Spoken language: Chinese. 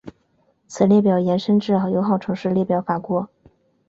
此列表延伸至友好城市列表法国。